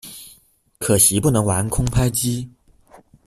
可惜不能玩空拍機